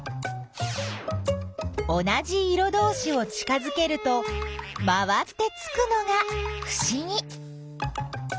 同じ色どうしを近づけると回ってつくのがふしぎ。